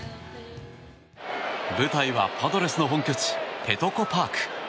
舞台はパドレスの本拠地ペトコ・パーク。